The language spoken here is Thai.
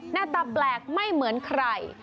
หน้าตาแปลกไม่เหมือนใคร